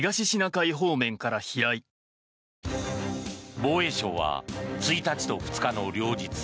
防衛省は１日と２日の両日